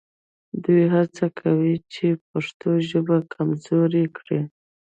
دوی هڅه کوي چې پښتو ژبه کمزورې کړي